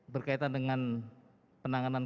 berkaitan dengan penanganan